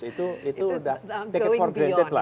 itu sudah take it for granted lah